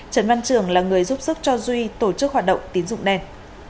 trần văn trường là người giúp sức cho duy tổ chức hoạt động tín dụng đen